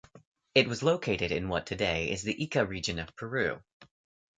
It was located in what today is the Ica Region of Peru.